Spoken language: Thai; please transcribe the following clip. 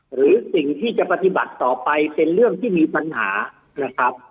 หรือสิ่งที่จะปฏิบัติต่อไปเป็นเรื่องที่มีปัญหานะครับ